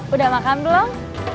udah makan belum